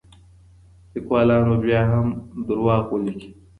لیکوالان به بیا هم دروغ ولیکي.